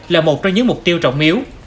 là một trong những mục tiêu rộng miếu